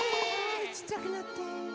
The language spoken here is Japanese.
ちっちゃくなって。